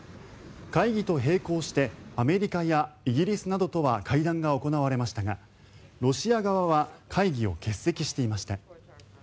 会議と並行してアメリカやイギリスなどとは会談が行われましたがロシア側は会議を欠席していました。